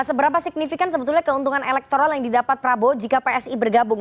seberapa signifikan sebetulnya keuntungan elektoral yang didapat prabowo jika psi bergabung